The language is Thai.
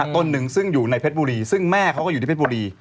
ต้นหนึ่งซึ่งอยู่ในเพชรบุรีซึ่งแม่เขาก็อยู่ที่เพชรบุรี